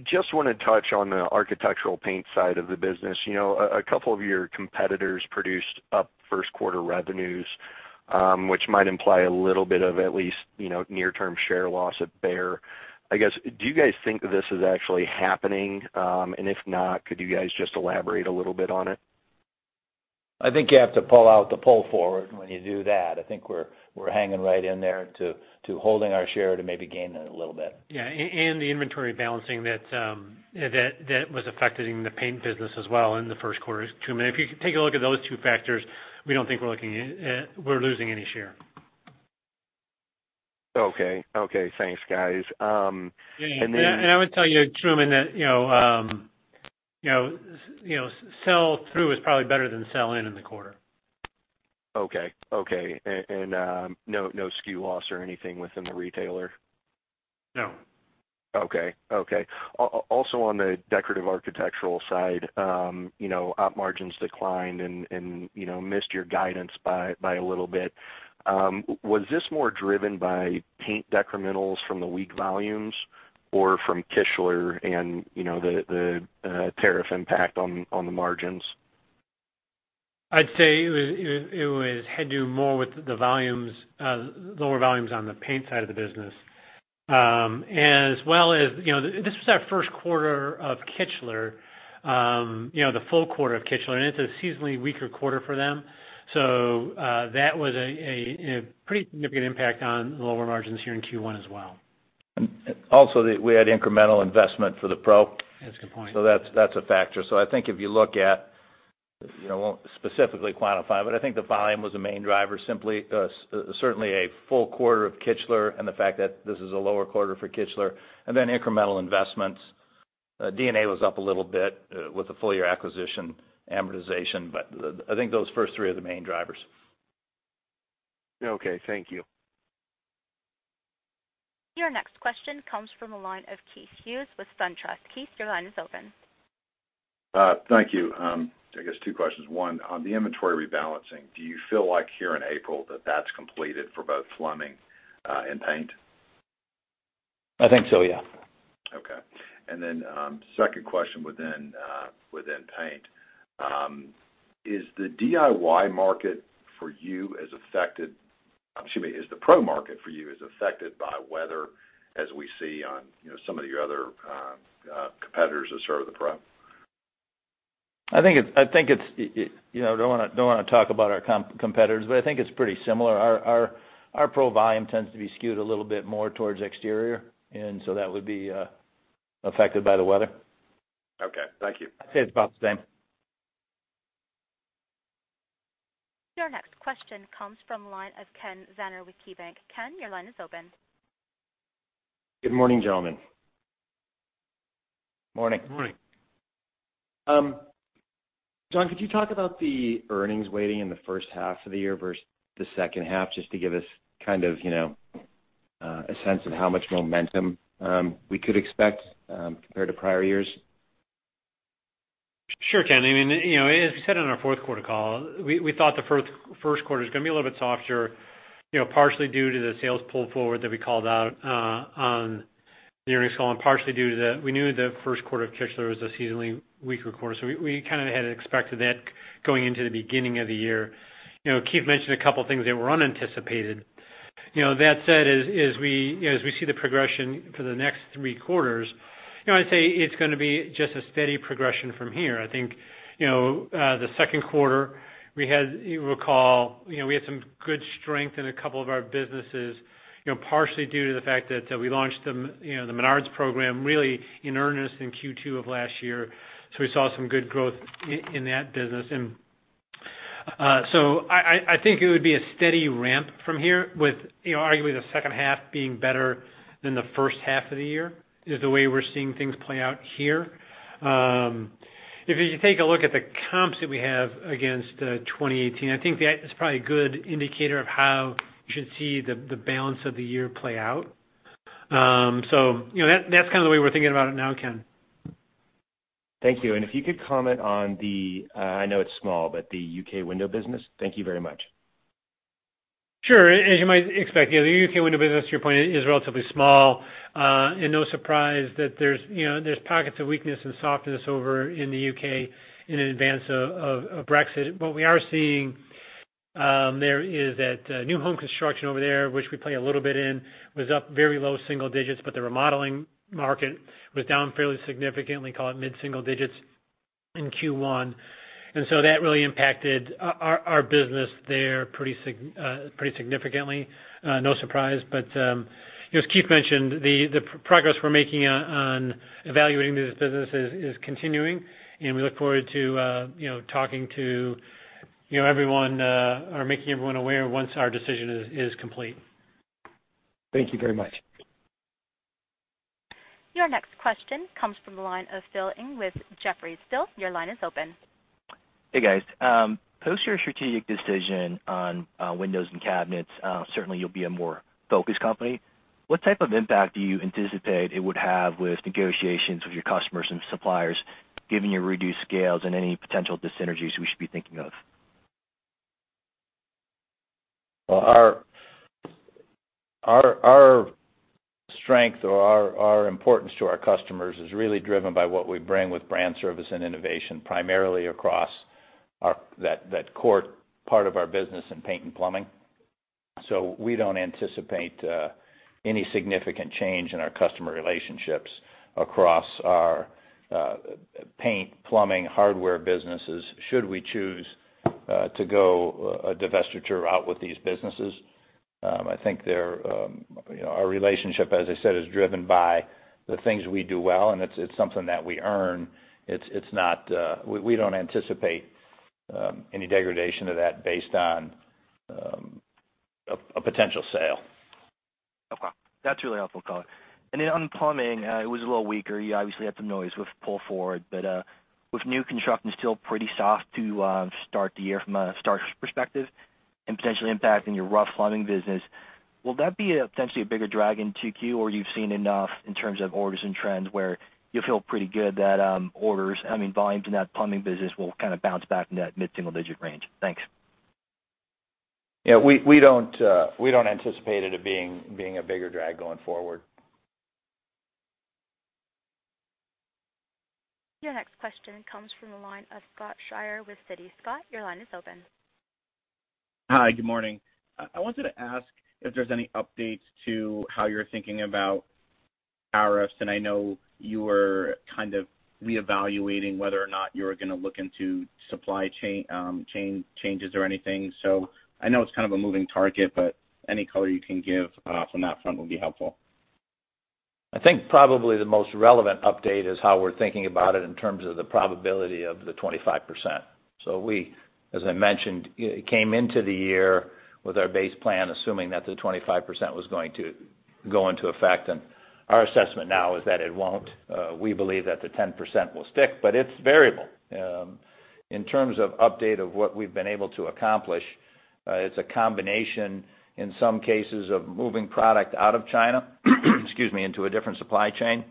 Just want to touch on the architectural paint side of the business. A couple of your competitors produced up first quarter revenues, which might imply a little bit of at least near term share loss at Behr. I guess, do you guys think this is actually happening? If not, could you guys just elaborate a little bit on it? I think you have to pull out the pull forward when you do that. I think we're hanging right in there to holding our share to maybe gain it a little bit. The inventory balancing that was affecting the paint business as well in the first quarter, Truman. If you take a look at those two factors, we don't think we're losing any share. Okay. Thanks, guys. Then- I would tell you, Truman, that sell-through is probably better than sell in in the quarter. Okay. No SKU loss or anything within the retailer? No. Okay. Also on the decorative architectural side, op margins declined and missed your guidance by a little bit. Was this more driven by paint decrementals from the weak volumes or from Kichler and the tariff impact on the margins? I'd say it had to do more with the lower volumes on the paint side of the business. This was our first quarter of Kichler, the full quarter of Kichler, and it's a seasonally weaker quarter for them. That was a pretty significant impact on lower margins here in Q1 as well. We had incremental investment for the pro. That's a good point. That's a factor. I think if you look at, I won't specifically quantify it, but I think the volume was a main driver, certainly a full quarter of Kichler and the fact that this is a lower quarter for Kichler, and then incremental investments. D&A was up a little bit with the full-year acquisition amortization, but I think those first three are the main drivers. Okay, thank you. Your next question comes from the line of Keith Hughes with SunTrust. Keith, your line is open. Thank you. I guess two questions. One, on the inventory rebalancing, do you feel like here in April that that's completed for both plumbing and paint? I think so, yeah. Okay. Then second question within paint. Is the pro market for you as affected by weather as we see on some of your other competitors that serve the pro? I don't want to talk about our competitors, but I think it's pretty similar. Our pro volume tends to be skewed a little bit more towards exterior, and so that would be affected by the weather. Okay, thank you. I'd say it's about the same. Your next question comes from the line of Ken Zener with KeyBank. Ken, your line is open. Good morning, gentlemen. Morning. Morning. John, could you talk about the earnings weighting in the first half of the year versus the second half, just to give us A sense of how much momentum we could expect compared to prior years. Sure, Ken. As we said on our fourth quarter call, we thought the first quarter was going to be a little bit softer, partially due to the sales pull forward that we called out on the earnings call, and partially due to the fact that we knew the first quarter of Kichler was a seasonally weaker quarter. We kind of had expected that going into the beginning of the year. Keith mentioned a couple of things that were unanticipated. That said, as we see the progression for the next three quarters, I'd say it's going to be just a steady progression from here. I think, the second quarter, you recall, we had some good strength in a couple of our businesses, partially due to the fact that we launched them, the Menards program really in earnest in Q2 of last year. We saw some good growth in that business. I think it would be a steady ramp from here with, arguably the second half being better than the first half of the year, is the way we're seeing things play out here. If you take a look at the comps that we have against 2018, I think that is probably a good indicator of how you should see the balance of the year play out. That's kind of the way we're thinking about it now, Ken. Thank you. If you could comment on the, I know it's small, but the U.K. window business. Thank you very much. Sure. As you might expect, the U.K. window business, to your point, is relatively small. No surprise that there's pockets of weakness and softness over in the U.K. in advance of Brexit. What we are seeing there is that new home construction over there, which we play a little bit in, was up very low single digits, but the remodeling market was down fairly significantly, call it mid-single digits in Q1. That really impacted our business there pretty significantly. No surprise. As Keith mentioned, the progress we're making on evaluating this business is continuing, and we look forward to talking to everyone, or making everyone aware once our decision is complete. Thank you very much. Your next question comes from the line of Phil Ng with Jefferies. Phil, your line is open. Hey, guys. Post your strategic decision on windows and cabinets, certainly you'll be a more focused company. What type of impact do you anticipate it would have with negotiations with your customers and suppliers, given your reduced scales and any potential dis-synergies we should be thinking of? Well, our strength or our importance to our customers is really driven by what we bring with brand service and innovation, primarily across that core part of our business in paint and plumbing. We don't anticipate any significant change in our customer relationships across our paint, plumbing, hardware businesses, should we choose to go a divestiture out with these businesses. I think our relationship, as I said, is driven by the things we do well, and it's something that we earn. We don't anticipate any degradation of that based on a potential sale. Okay. That's really helpful color. On plumbing, it was a little weaker. You obviously had some noise with pull forward, with new construction still pretty soft to start the year from a starts perspective and potentially impacting your rough plumbing business, will that be potentially a bigger drag in 2Q or you've seen enough in terms of orders and trends where you feel pretty good that orders, I mean, volumes in that plumbing business will kind of bounce back into that mid-single digit range? Thanks. Yeah, we don't anticipate it being a bigger drag going forward. Your next question comes from the line of Scott Schrier with Citi. Scott, your line is open. Hi, good morning. I wanted to ask if there's any updates to how you're thinking about tariffs. I know you were kind of reevaluating whether or not you were going to look into supply chain changes or anything. I know it's kind of a moving target, but any color you can give from that front would be helpful. I think probably the most relevant update is how we're thinking about it in terms of the probability of the 25%. We, as I mentioned, came into the year with our base plan, assuming that the 25% was going to go into effect. Our assessment now is that it won't. We believe that the 10% will stick, but it's variable. In terms of update of what we've been able to accomplish, it's a combination in some cases of moving product out of China, excuse me, into a different supply chain.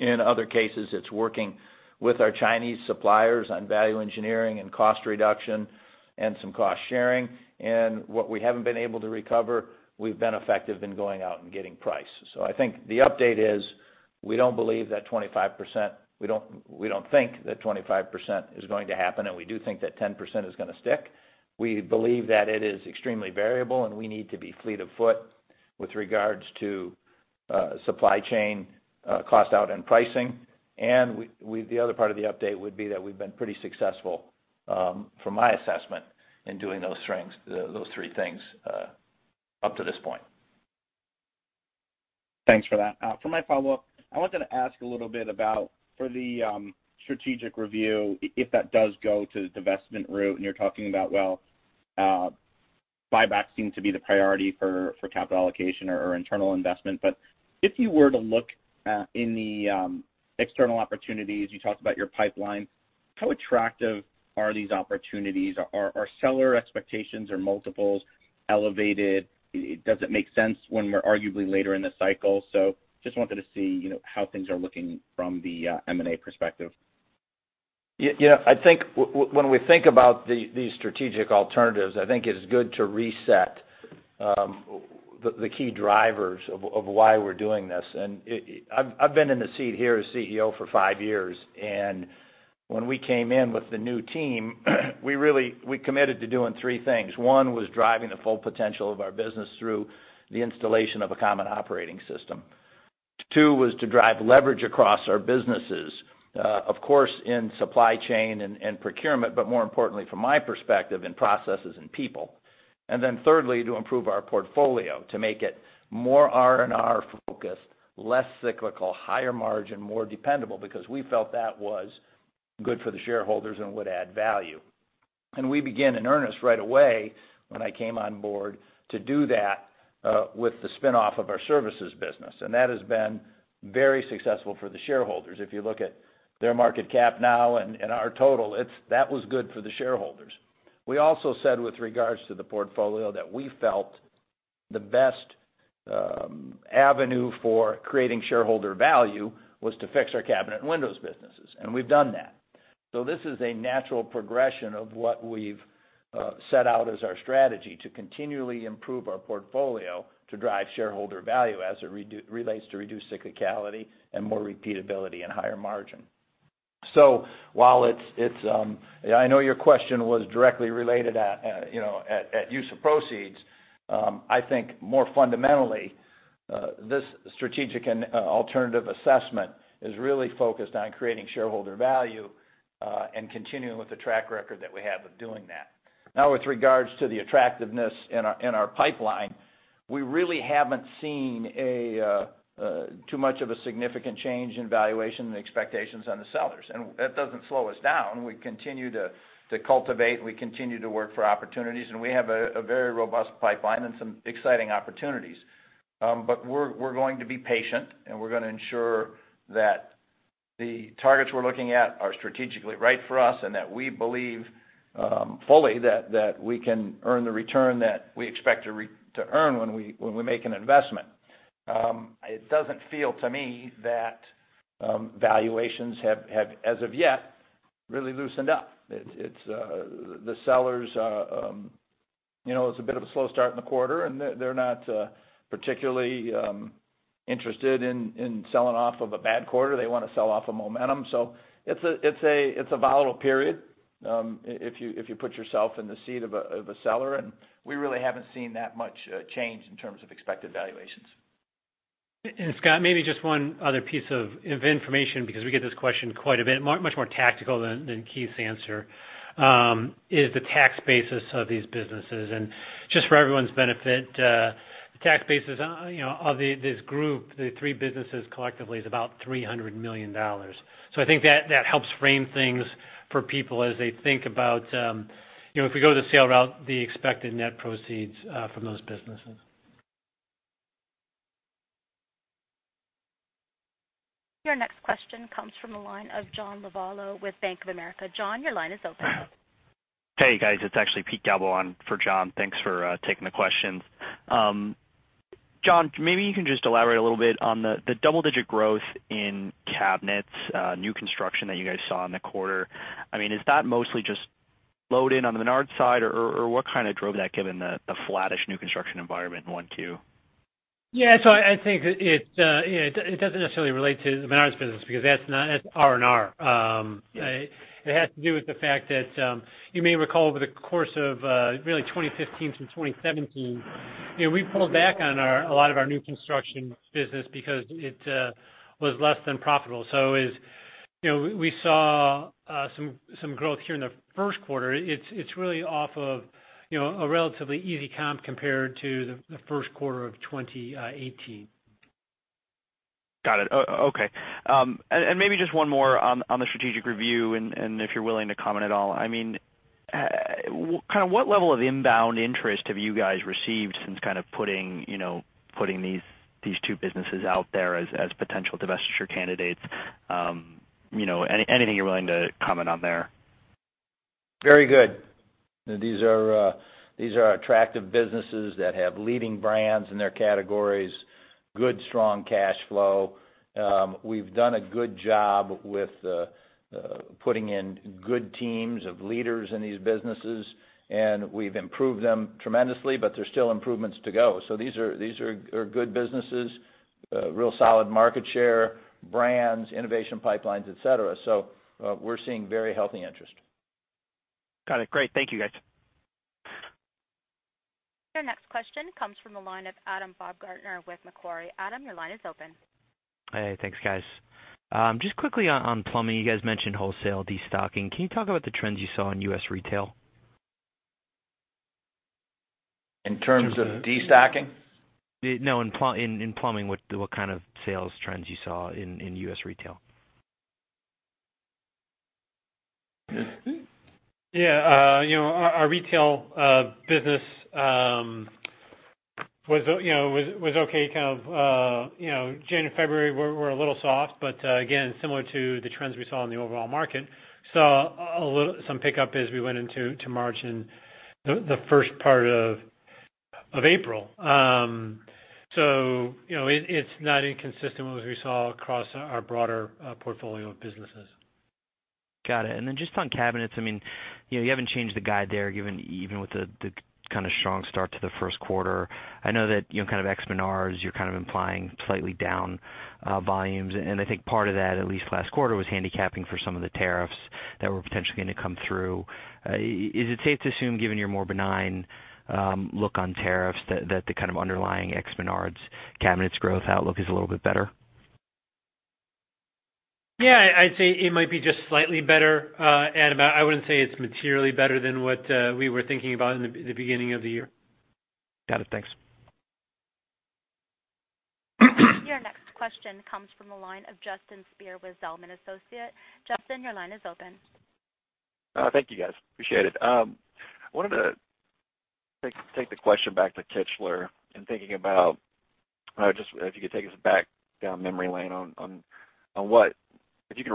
In other cases, it's working with our Chinese suppliers on value engineering and cost reduction and some cost sharing. What we haven't been able to recover, we've been effective in going out and getting price. I think the update is we don't think that 25% is going to happen, we do think that 10% is going to stick. We believe that it is extremely variable, we need to be fleet of foot with regards to supply chain cost out and pricing. The other part of the update would be that we've been pretty successful, from my assessment, in doing those three things up to this point. Thanks for that. For my follow-up, I wanted to ask a little bit about for the strategic review, if that does go to the divestment route and you're talking about, well, buybacks seem to be the priority for capital allocation or internal investment. If you were to look in the external opportunities, you talked about your pipeline. How attractive are these opportunities? Are seller expectations or multiples elevated? Does it make sense when we're arguably later in the cycle? Just wanted to see how things are looking from the M&A perspective. Yeah. I think when we think about these strategic alternatives, I think it's good to reset the key drivers of why we're doing this. I've been in the seat here as CEO for five years, and when we came in with the new team, we committed to doing three things. One was driving the full potential of our business through the installation of a common operating system. Two was to drive leverage across our businesses, of course, in supply chain and procurement, but more importantly from my perspective, in processes and people. Thirdly, to improve our portfolio, to make it more R&R focused, less cyclical, higher margin, more dependable, because we felt that was good for the shareholders and would add value. We began in earnest right away when I came on board to do that with the spin-off of our services business, and that has been very successful for the shareholders. If you look at their market cap now and our total, that was good for the shareholders. We also said with regards to the portfolio, that we felt the best avenue for creating shareholder value was to fix our cabinet and windows businesses, and we've done that. This is a natural progression of what we've set out as our strategy to continually improve our portfolio to drive shareholder value as it relates to reduced cyclicality and more repeatability and higher margin. While I know your question was directly related at use of proceeds, I think more fundamentally, this strategic and alternative assessment is really focused on creating shareholder value, and continuing with the track record that we have of doing that. With regards to the attractiveness in our pipeline, we really haven't seen too much of a significant change in valuation and expectations on the sellers, and that doesn't slow us down. We continue to cultivate, we continue to work for opportunities, we have a very robust pipeline and some exciting opportunities. We're going to be patient, and we're going to ensure that the targets we're looking at are strategically right for us, and that we believe fully that we can earn the return that we expect to earn when we make an investment. It doesn't feel to me that valuations have, as of yet, really loosened up. The sellers, it's a bit of a slow start in the quarter, and they're not particularly interested in selling off of a bad quarter. They want to sell off of momentum. It's a volatile period, if you put yourself in the seat of a seller, and we really haven't seen that much change in terms of expected valuations. Scott, maybe just one other piece of information, because we get this question quite a bit, much more tactical than Keith's answer, is the tax basis of these businesses. Just for everyone's benefit, the tax basis of this group, the three businesses collectively, is about $300 million. I think that helps frame things for people as they think about, if we go the sale route, the expected net proceeds from those businesses. Your next question comes from the line of John Lovallo with Bank of America. John, your line is open. Hey, guys. It's actually Peter Galbo on for John. Thanks for taking the questions. John, maybe you can just elaborate a little bit on the double-digit growth in cabinets, new construction that you guys saw in the quarter. Is that mostly just load in on the Menards side or what kind of drove that given the flattish new construction environment in one, two? I think it doesn't necessarily relate to the Menards business because that's R&R. It has to do with the fact that, you may recall over the course of really 2015 through 2017, we pulled back on a lot of our new construction business because it was less than profitable. We saw some growth here in the first quarter. It's really off of a relatively easy comp compared to the first quarter of 2018. Got it. Okay. Maybe just one more on the strategic review and if you're willing to comment at all. What level of inbound interest have you guys received since putting these two businesses out there as potential divestiture candidates? Anything you're willing to comment on there? Very good. These are attractive businesses that have leading brands in their categories, good strong cash flow. We've done a good job with putting in good teams of leaders in these businesses, we've improved them tremendously, there's still improvements to go. These are good businesses, real solid market share, brands, innovation pipelines, et cetera. We're seeing very healthy interest. Got it. Great. Thank you, guys. Your next question comes from the line of Adam Baumgarten with Macquarie. Adam, your line is open. Hey, thanks guys. Just quickly on plumbing, you guys mentioned wholesale destocking. Can you talk about the trends you saw in U.S. retail? In terms of destocking? No, in plumbing, what kind of sales trends you saw in U.S. retail? Yeah. Our retail business was okay. January, February were a little soft, again, similar to the trends we saw in the overall market. We saw some pickup as we went into March and the first part of April. It's not inconsistent with what we saw across our broader portfolio of businesses. Got it. Just on cabinets, you haven't changed the guide there, given even with the kind of strong start to the first quarter. I know that ex Menards, you're kind of implying slightly down volumes. I think part of that, at least last quarter, was handicapping for some of the tariffs that were potentially going to come through. Is it safe to assume, given your more benign look on tariffs, that the kind of underlying ex Menards cabinets growth outlook is a little bit better? Yeah, I'd say it might be just slightly better, Adam, I wouldn't say it's materially better than what we were thinking about in the beginning of the year. Got it. Thanks. Your next question comes from the line of Justin Speer with Zelman & Associates. Justin, your line is open. Thank you, guys. Appreciate it. Wanted to take the question back to Kichler and thinking about just if you could take us back down memory lane on if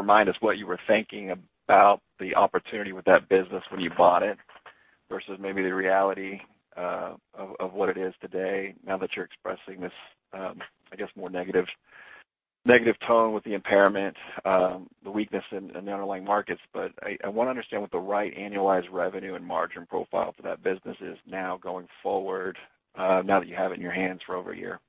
you can remind us what you were thinking about the opportunity with that business when you bought it, versus maybe the reality of what it is today now that you're expressing this, I guess, more negative tone with the impairment, the weakness in the underlying markets. I want to understand what the right annualized revenue and margin profile for that business is now going forward, now that you have it in your hands for over a year.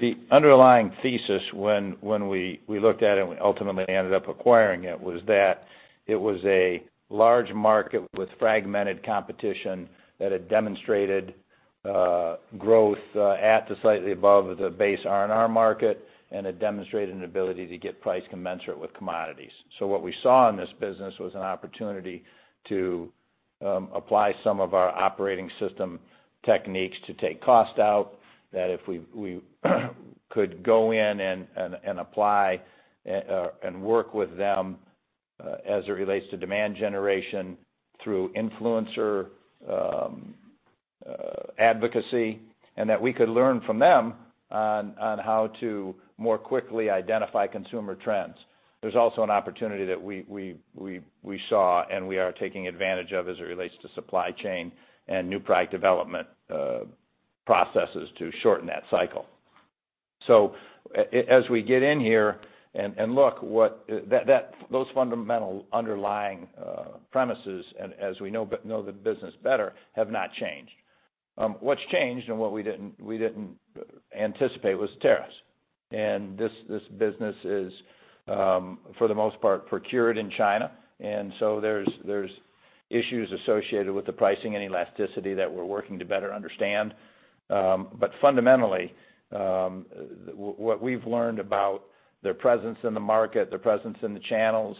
The underlying thesis when we looked at it and we ultimately ended up acquiring it, was that it was a large market with fragmented competition that had demonstrated growth at to slightly above the base R&R market, and had demonstrated an ability to get price commensurate with commodities. What we saw in this business was an opportunity to apply some of our operating system techniques to take cost out, that if we could go in and apply and work with them as it relates to demand generation through influencer advocacy, we could learn from them on how to more quickly identify consumer trends. There's also an opportunity that we saw and we are taking advantage of as it relates to supply chain and new product development processes to shorten that cycle. As we get in here and look, those fundamental underlying premises, as we know the business better, have not changed. What's changed and what we didn't anticipate was tariffs. This business is for the most part procured in China. There's issues associated with the pricing and elasticity that we're working to better understand. Fundamentally, what we've learned about their presence in the market, their presence in the channels,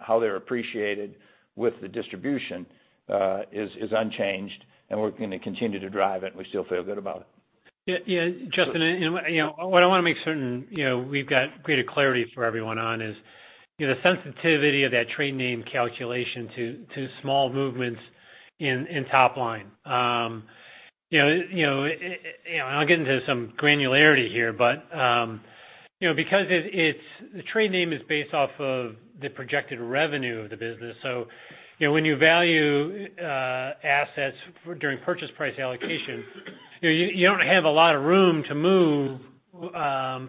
how they're appreciated with the distribution, is unchanged, we're going to continue to drive it, we still feel good about it. Justin, what I want to make certain we've got greater clarity for everyone on is the sensitivity of that trade name calculation to small movements in top line. I'll get into some granularity here. Because the trade name is based off of the projected revenue of the business. When you value assets during purchase price allocation, you don't have a lot of room to move,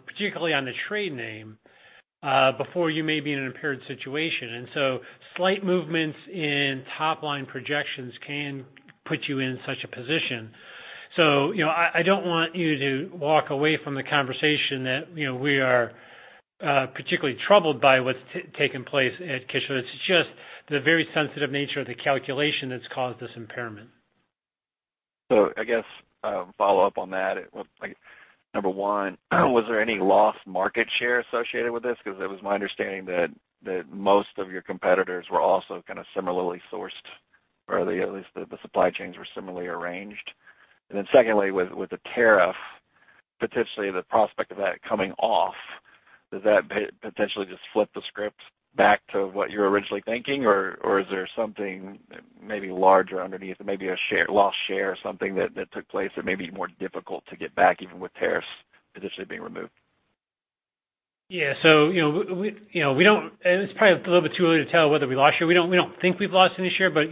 particularly on the trade name, before you may be in an impaired situation. Slight movements in top-line projections can put you in such a position. I don't want you to walk away from the conversation that we are particularly troubled by what's taken place at Kichler. It's just the very sensitive nature of the calculation that's caused this impairment. I guess, follow up on that. Number one, was there any lost market share associated with this? Because it was my understanding that most of your competitors were also kind of similarly sourced, or at least the supply chains were similarly arranged. Secondly, with the tariff, potentially the prospect of that coming off, does that potentially just flip the script back to what you were originally thinking? Or is there something maybe larger underneath, maybe a lost share or something that took place that may be more difficult to get back even with tariffs potentially being removed? Yeah. It's probably a little bit too early to tell whether we lost share. We don't think we've lost any share, but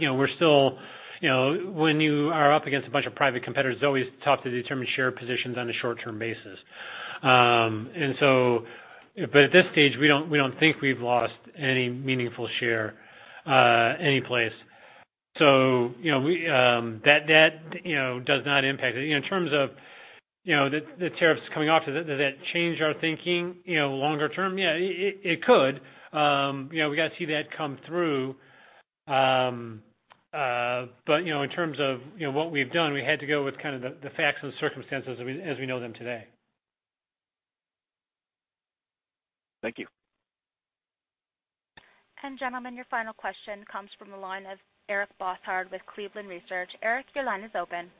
when you are up against a bunch of private competitors, it's always tough to determine share positions on a short-term basis. At this stage, we don't think we've lost any meaningful share anyplace. That does not impact it. In terms of the tariffs coming off, does that change our thinking longer term? Yeah, it could. We got to see that come through. In terms of what we've done, we had to go with kind of the facts and circumstances as we know them today. Thank you. Gentlemen, your final question comes from the line of Eric Bosshard with Cleveland Research. Eric, your line is open.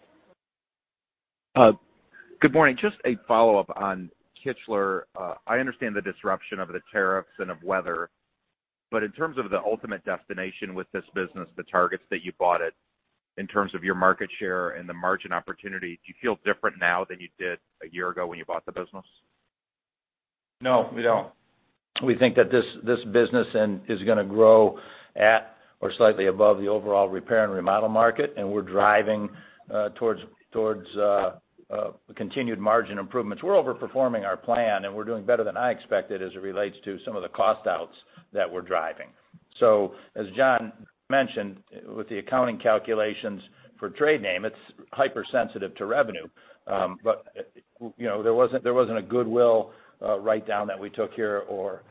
Good morning. Just a follow-up on Kichler. I understand the disruption of the tariffs and of weather. In terms of the ultimate destination with this business, the targets that you bought it, in terms of your market share and the margin opportunity, do you feel different now than you did a year ago when you bought the business? No, we don't. We think that this business is going to grow at or slightly above the overall repair and remodel market, and we're driving towards continued margin improvements. We're overperforming our plan, and we're doing better than I expected as it relates to some of the cost outs that we're driving. As John mentioned, with the accounting calculations for trade name, it's hypersensitive to revenue. There wasn't a goodwill write-down that we took here or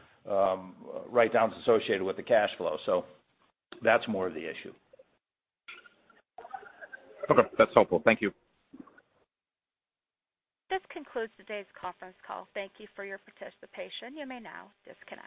write-downs associated with the cash flow. That's more of the issue. Okay, that's helpful. Thank you. This concludes today's conference call. Thank you for your participation. You may now disconnect.